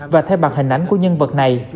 và thay bằng hình ảnh của nhân vật này